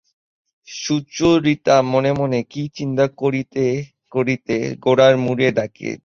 সুচরিতা মনে মনে কী চিন্তা করিতে করিতে গোরার মুরে দিকে চাহিয়া রহিল।